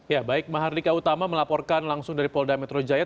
ya baik mahardika utama melaporkan langsung dari polda metro jaya